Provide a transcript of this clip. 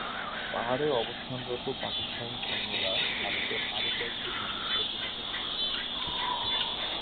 পাহাড়ে অবস্থানরত পাকিস্তানি সৈন্যরা ভারতের আরও কয়েকটি হামলা প্রতিহত করে।